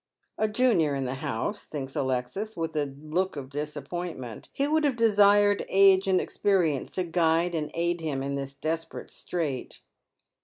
" A junior in the house," thinks Alexis, with a look of dis appointment. He would have desired age and experience to guide and aid him in this desperate strait.